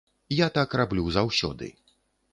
Я так раблю заўсёды.